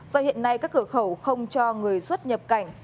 do hiện nay các cửa khẩu không cho người xuất nhập cảnh